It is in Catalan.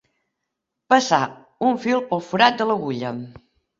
Passar un fil pel forat de l'agulla.